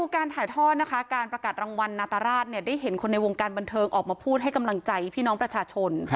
การถ่ายทอดนะคะการประกาศรางวัลนาตราชได้เห็นคนในวงการบันเทิงออกมาพูดให้กำลังใจพี่น้องประชาชน